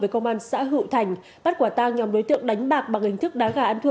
với công an xã hữu thành bắt quả tang nhóm đối tượng đánh bạc bằng hình thức đá gà ăn thua